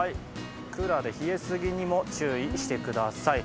クーラーで冷えすぎにも注意してください。